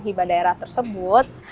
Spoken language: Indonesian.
hibah daerah tersebut